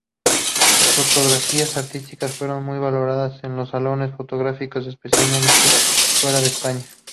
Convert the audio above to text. Sus fotografías artísticas fueron muy valoradas en los salones fotográficos, especialmente fuera de España.